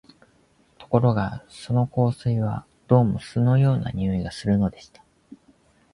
ところがその香水は、どうも酢のような匂いがするのでした